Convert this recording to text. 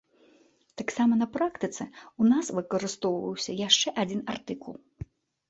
Таксама на практыцы ў нас выкарыстоўваўся яшчэ адзін артыкул.